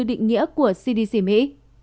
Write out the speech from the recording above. định nghĩa của cdc mỹ